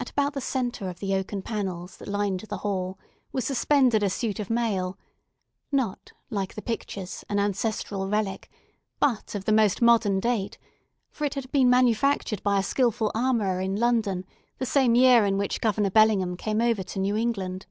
At about the centre of the oaken panels that lined the hall was suspended a suit of mail, not, like the pictures, an ancestral relic, but of the most modern date; for it had been manufactured by a skilful armourer in London, the same year in which Governor Bellingham came over to New England.